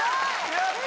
やった！